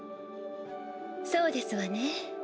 そうですわね。